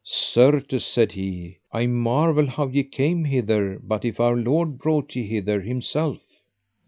Certes, said he, I marvel how ye came hither, but if Our Lord brought ye hither Himself.